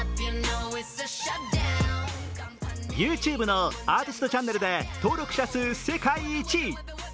ＹｏｕＴｕｂｅのアーティストチャンネルで登録者数世界１位。